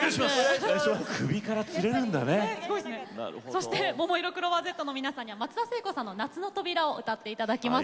そしてももいろクローバーＺの皆さんには松田聖子さんの「夏の扉」を歌って頂きます。